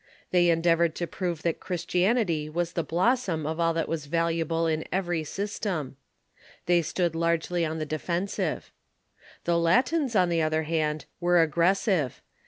They endeavored to prove that Christianitj^ was the blossom of all that was valuable in every system. They stood largely on the defensive. The Latins, on the other hand, were aggressive.